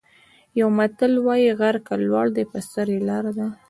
یو متل وايي: غر که لوړ دی په سر یې لاره ده.